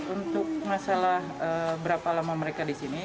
untuk masalah berapa lama mereka di sini